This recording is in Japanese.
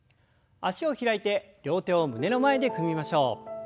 脚を開いて両手を胸の前で組みましょう。